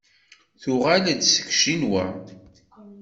Tuɣal-d seg Ccinwa.